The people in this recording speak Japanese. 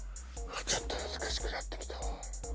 ちょっと難しくなってきたわ。